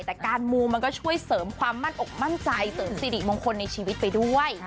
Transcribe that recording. แต่การมูมันก็ช่วยเสริมความมั่นอกมั่นใจเสริมสิริมงคลในชีวิตไปด้วย